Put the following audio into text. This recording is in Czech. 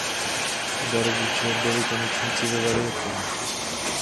Oba rodiče byli tanečníci ve varieté.